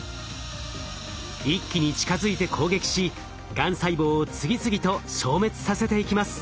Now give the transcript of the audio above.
一気に近づいて攻撃しがん細胞を次々と消滅させていきます。